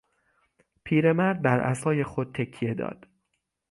پیر مرد بر عصای خود تکیه داد.